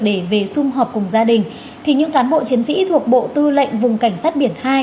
để về xung họp cùng gia đình thì những cán bộ chiến sĩ thuộc bộ tư lệnh vùng cảnh sát biển hai